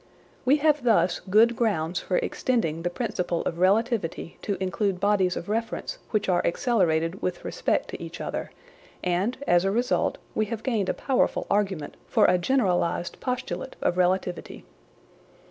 We have thus good grounds for extending the principle of relativity to include bodies of reference which are accelerated with respect to each other, and as a result we have gained a powerful argument for a generalised postulate of relativity.